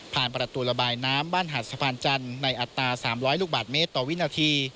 ประตูระบายน้ำบ้านหาดสะพานจันทร์ในอัตรา๓๐๐ลูกบาทเมตรต่อวินาที